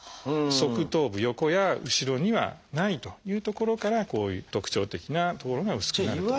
側頭部横や後ろにはないというところからこういう特徴的な所が薄くなると。